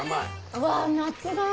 うわ夏だ